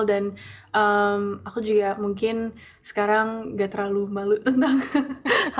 dan aku juga mungkin sekarang nggak terlalu malu tentang hal hal pribadi saya